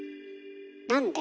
なんで？